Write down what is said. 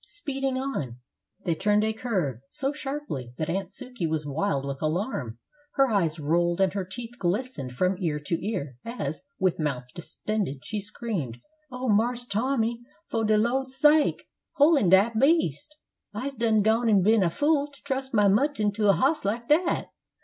Speeding on, they turned a curve so sharply that Aunt Sukey was wild with alarm; her eyes rolled, and her teeth glistened from ear to ear, as, with mouth distended, she screamed, "Oh, Marse Tommy, fo' de Lor's sake, hole in dat beast! I's done gone an' bin a fool to trust my mutton to a hoss like dat!